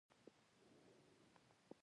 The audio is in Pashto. وروسته بیا غلو او لوټمارانو ولوټله.